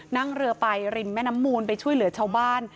นั่งเรือไปริมแม่น้ำมูลไปช่วยเหลือชาวบ้าน